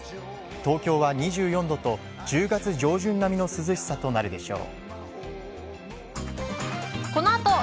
東京は２４度と１０月上旬並みの涼しさとなるでしょう。